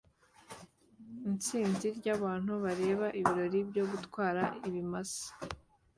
Isinzi ryabantu bareba ibirori byo gutwara ibimasa